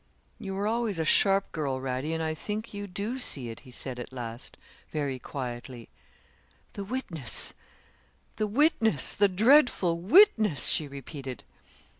'You were always a sharp girl, Radie, and I think you do see it,' he said at last, very quietly. 'The witness the witness the dreadful witness!' she repeated.